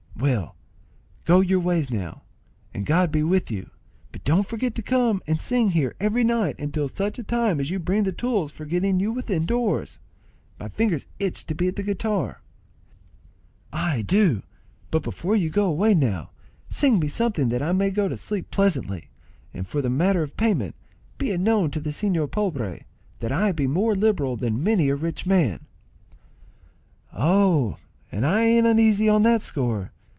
"Well, go your ways now, and God be with you; but don't forget to come and sing here every night until such time as you bring the tools for getting you within doors. My fingers itch to be at the guitar." "I'll come, never fear, and I'll bring some new tunes too." "Ay, do; but before you go away now, sing me something that I may go to sleep pleasantly; and for the matter of payment, be it known to the señor pobre that I will be more liberal than many a rich man." "Oh, I ain't uneasy on that score.